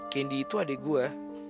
candy itu adik gue